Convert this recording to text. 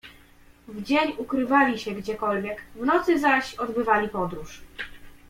"W dzień ukrywali się gdziekolwiek, w nocy zaś odbywali podróż."